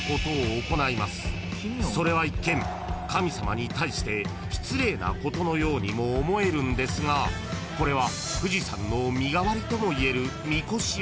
［それは一見神様に対して失礼なことのようにも思えるんですがこれは富士山の］